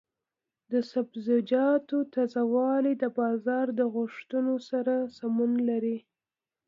د سبزیجاتو تازه والي د بازار د غوښتنو سره سمون لري.